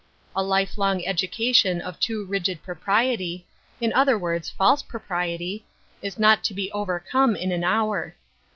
A life long education of too rigid propriety — in other words, false propriety — is not to be overcome in an hour.